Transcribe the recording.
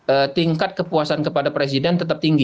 eh tingkat kepuasan kepada presiden tetap tinggi